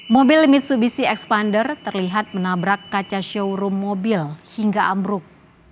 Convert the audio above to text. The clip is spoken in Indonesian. mobil mitsubishi expander terlihat menabrak kaca showroom mobil hingga ambruk